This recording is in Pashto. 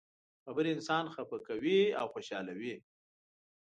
خبرې انسان خفه کوي او خوشحالوي.